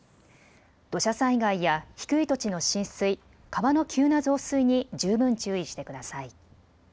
土砂災害や低い土地の浸水、川の急な増水に十分注意してください。